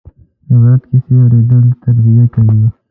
د عبرت کیسې اورېدل تربیه کوي.